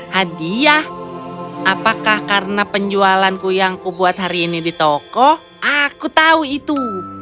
hadiah apakah karena penjualanku yang kubuat hari ini di toko aku tahu itu